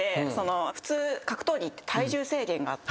普通格闘技って体重制限があって。